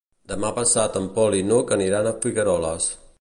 Demà passat en Pol i n'Hug aniran a Figueroles.